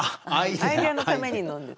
アイデアのために飲んでた。